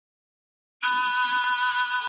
د پوهنتون اصول باید هر څوک ومني.